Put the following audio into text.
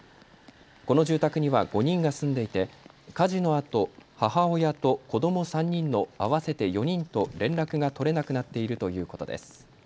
この住宅には５人が住んでいて火事のあと母親と子ども３人の合わせて４人と連絡が取れなくなっているということです。